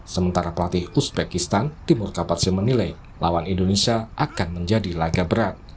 sementara pelatih uzbekistan timur kaparsi menilai lawan indonesia akan menjadi laga berat